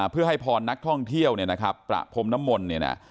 เพื่อให้พรนักท่องเที่ยวเนี่ยนะครับประพรมน้ำมนต์เนี่ยนะ